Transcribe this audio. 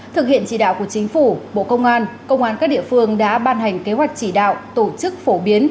thực hiện chỉ đạo của chính phủ bộ công an công an các địa phương đã ban hành kế hoạch chỉ đạo tổ chức phổ biến